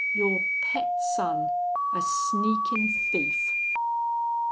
Your pet son a sneakin' thief!"